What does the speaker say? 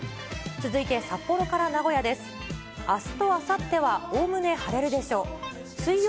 続いて札幌から名古屋です。